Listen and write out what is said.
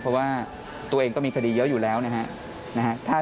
เพราะว่าตัวเองก็มีคดีเยอะอยู่แล้วนะฮะ